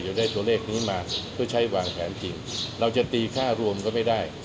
จะได้ตัวเลขนี้มาเพื่อใช้วางแผนจริงเราจะตีค่ารวมก็ไม่ได้